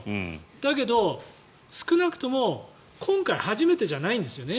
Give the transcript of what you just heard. だけど、少なくとも今回初めてじゃないんですよね。